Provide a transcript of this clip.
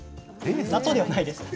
納豆ではないです。